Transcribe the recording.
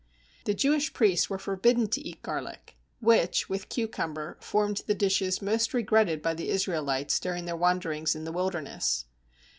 The Jewish priests were forbidden to eat garlic, which (with cucumber) formed the dishes most regretted by the Israelites during their wanderings in the wilderness.